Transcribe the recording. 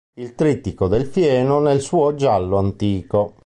Il trittico del fieno" nel suo "Giallo Antico.